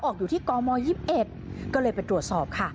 อยู่ที่กม๒๑ก็เลยไปตรวจสอบค่ะ